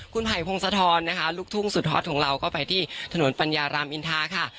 คุณไผ่พงศธรนะคะลูกทุ่งสุดฮอตของเราก็ไปที่ถนนปัญญารามอินทาค่ะ